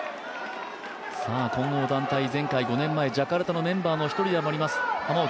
混合団体、前回５年前ジャカルタのメンバーの一人でもあります、玉置。